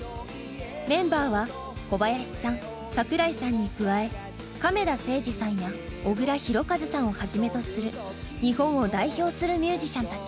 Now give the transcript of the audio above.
メンバーは小林さん櫻井さんに加え亀田誠治さんや小倉博和さんをはじめとする日本を代表するミュージシャンたち。